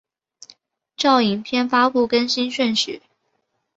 照影片发布更新顺序